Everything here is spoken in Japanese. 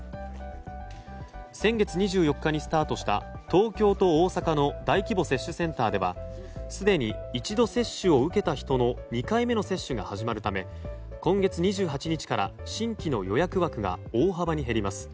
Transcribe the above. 先月２４日にスタートした東京と大阪の大規模接種センターでは、すでに１度接種を受けた人の２回目の接種が始まるため今月２８日から新規の予約枠が大幅に減ります。